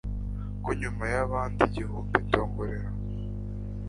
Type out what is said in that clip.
Ko nyuma yabandi igihumbi ndongorera